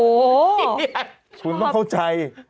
ชอบคุณต้องเข้าใจ